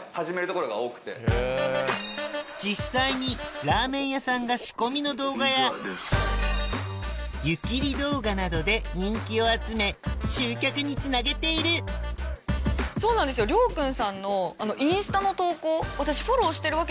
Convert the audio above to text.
実際にラーメン屋さんが仕込みの動画や湯切り動画などで人気を集め集客につなげているそうなんですホントに。